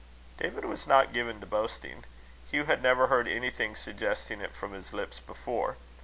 David was not given to boasting. Hugh had never heard anything suggesting it from his lips before.